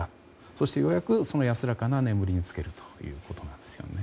そして、ようやく安らかな眠りにつけたということなんですね。